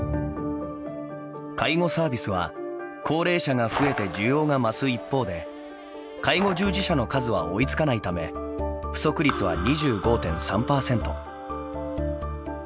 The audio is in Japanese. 介護サービスは高齢者が増えて需要が増す一方で介護従事者の数は追いつかないため不足率は２５．３％。